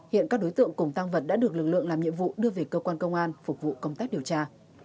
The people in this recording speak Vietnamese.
hiện các đối tượng cùng tăng vật đã được lực lượng làm nhiệm vụ đưa về cơ quan công an phục vụ công tác điều tra